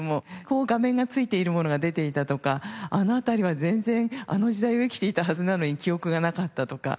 画面が付いているものが出ていたとかあの辺りは全然あの時代を生きていたはずなのに記憶がなかったとかいう事がありまして。